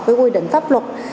với quy định pháp luật